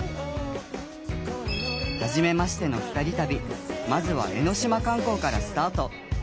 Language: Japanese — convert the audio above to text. はじめましての２人旅まずは江の島観光からスタート。